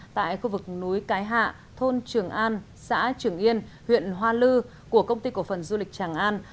tại khu vực núi cái hạ thôn trường an xã trường yên huyện hoa lư của công ty cổ phần du lịch tràng an